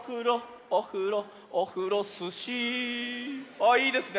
ああいいですね。